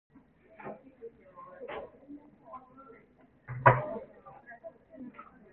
真正沒落大概去到清朝